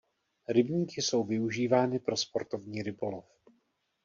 Rybníky jsou využívány pro sportovní rybolov.